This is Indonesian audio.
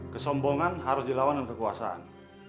kesombongan harus dilawan dengan kekuasaan